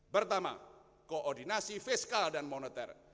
pertama koordinasi fiskal dan moneter